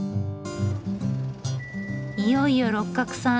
いよいよ六角さん